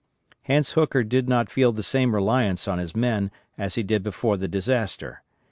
Hence Hooker did not feel the same reliance on his men as he did before the disaster.